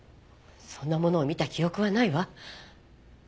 そんなものを見た記憶はないわ。